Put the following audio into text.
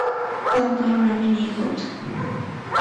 তার কারণ আমি নির্বোধ।